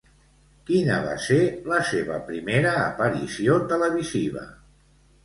Quina va ser la seva primera aparició televisiva?